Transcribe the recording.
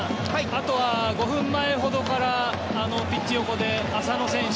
あとは５分前ほどからピッチ横で浅野選手